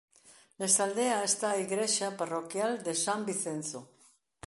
Nesta aldea está a igrexa parroquial de San Vicenzo.